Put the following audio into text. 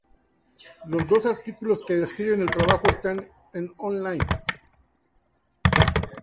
Los dos artículos que describen el trabajo están online.